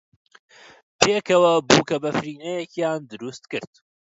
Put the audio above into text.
پێکەوە بووکەبەفرینەیەکیان دروست کرد.